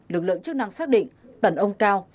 lực lượng chức năng xác định tần ông cao